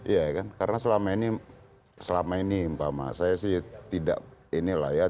iya kan karena selama ini selama ini umpama saya sih tidak ini lah ya